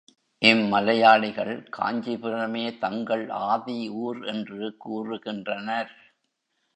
இம்மலையாளிகள், காஞ்சிபுரமே தங்கள் ஆதி ஊர் என்று கூறுகின்றனர்.